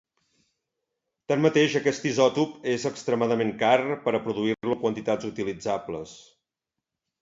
Tanmateix aquest isòtop és extremadament car per a produir-lo en quantitats utilitzables.